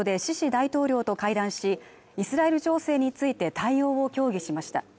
大統領と会談しイスラエル情勢について対応を協議しました